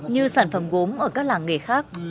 như sản phẩm gốm ở các làng nghề khác